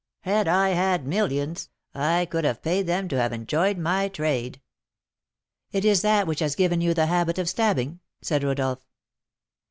Had I had millions, I could have paid them to have enjoyed my trade!" "It is that which has given you the habit of stabbing," said Rodolph.